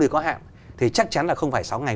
có hạn thì chắc chắn là không phải sáu ngày